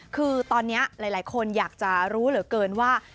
คือตอนนี้หลายคนอยากจะรู้เหลือเกินว่า